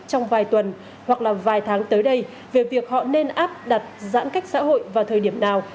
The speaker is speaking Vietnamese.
trong vài tuần hoặc là vài tháng tới đây về việc họ nên áp đặt giãn cách xã hội vào thời điểm nào